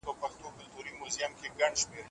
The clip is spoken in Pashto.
سوله او ثبات د سياسي هڅو اصلي او ستر موخه ده.